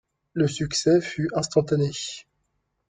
Le succès fut instantané.